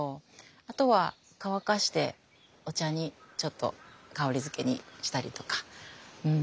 あとは乾かしてお茶にちょっと香りづけにしたりとか。